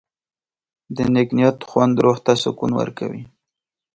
د نیک نیت خوند روح ته سکون ورکوي.